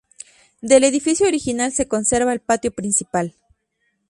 Del edificio original se conserva el patio principal.